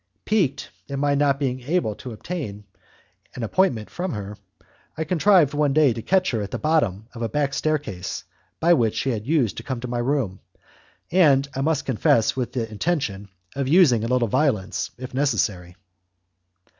Piqued at my not being able to obtain an appointment from her, I contrived one day to catch her at the bottom of a back staircase by which she used to come to my room, and, I must confess, with the intention of using a little violence, if necessary.